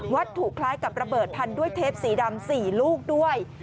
วัตถุคล้ายกับระเบิดพันธุ์ด้วยเทปสีดำสี่ลูกด้วย